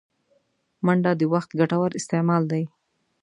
منډه د وخت ګټور استعمال دی